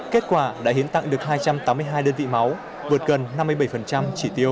kết quả đã hiến tặng được hai trăm tám mươi hai đơn vị máu vượt gần năm mươi bảy chỉ tiêu